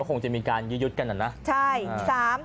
ก็คงจะมีการยืดกันน่ะนะ